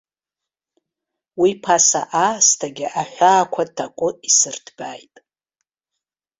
Уи ԥаса аасҭагьы аҳәаақәа такәы исырҭбааит.